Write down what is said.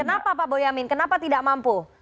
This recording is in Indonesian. kenapa pak boyamin kenapa tidak mampu